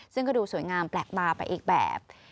ซึ่งก็ดูสวยงามแปลกตาไปอีกแบบ